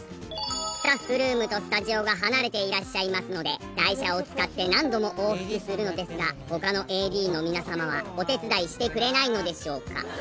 スタッフルームとスタジオが離れていらっしゃいますので台車を使って何度も往復するのですが他のＡＤの皆様はお手伝いしてくれないのでしょうか？